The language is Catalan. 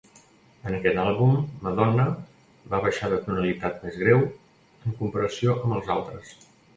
En aquest àlbum, Madonna va baixar de tonalitat més greu en comparació amb els altres.